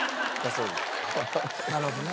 なるほどね。